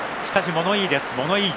物言いです。